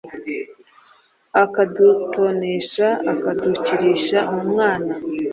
akadutonesha, akadukirisha umwana